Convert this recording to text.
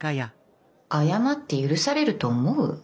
謝って許されると思う？